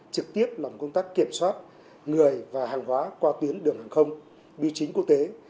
trực tiếp làm công tác kiểm soát người và hàng hóa qua tuyến đường hàng không bi chính quốc tế